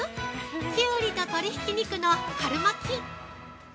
キュウリと鶏ひき肉の春巻き。